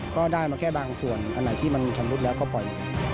ก็ได้มาแค่บางส่วนอันไหนที่มันชำรุดแล้วก็ปล่อย